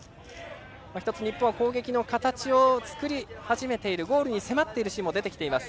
１つ、日本は攻撃の形を作り始めているゴールに迫っているシーンも出てきています。